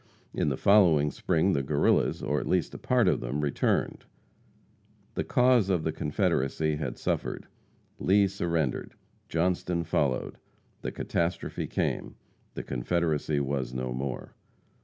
In the following spring the Guerrillas, or at least a part of them, returned. The cause of the Confederacy had suffered. Lee surrendered. Johnston followed. The catastrophe came; the Confederacy was no more.